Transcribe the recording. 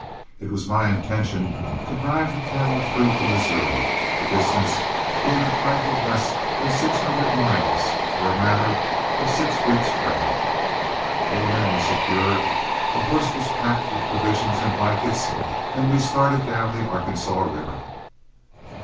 It was my intention to drive the cattle through to Missouri, the distance being a trifle less than six hundred miles or a matter of six weeks' travel. Four men were secured, a horse was packed with provisions and blankets, and we started down the Arkansas River.